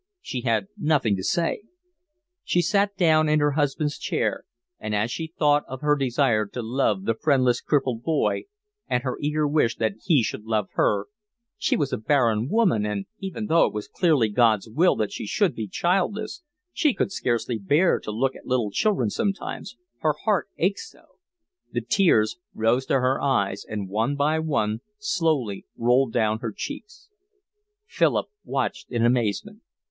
She had nothing to say. She sat down in her husband's chair; and as she thought of her desire to love the friendless, crippled boy and her eager wish that he should love her—she was a barren woman and, even though it was clearly God's will that she should be childless, she could scarcely bear to look at little children sometimes, her heart ached so—the tears rose to her eyes and one by one, slowly, rolled down her cheeks. Philip watched her in amazement.